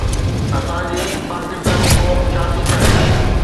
اسان جي پاڪستاني قوم ڇا ٿي چاهي؟